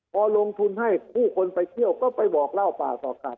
พอลงทุนให้ผู้คนไปเที่ยวก็ไปบอกเล่าป่าต่อกัน